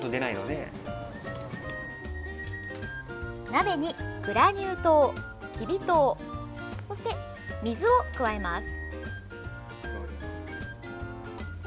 鍋にグラニュー糖、きび糖そして、水を加えます。